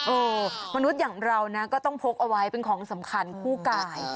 มนุษย์อย่างเรานะก็ต้องพกเอาไว้เป็นของสำคัญคู่กาย